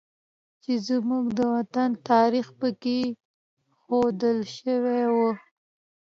چې زموږ د وطن تاریخ پکې ښودل شوی و